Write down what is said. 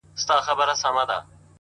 o نړوم غرونه د تمي. له اوږو د ملایکو.